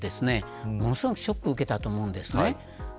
ものすごくショックを受けたと思います。